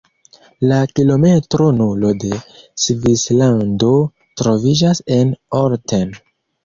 La “kilometro nulo” de Svislando troviĝas en Olten.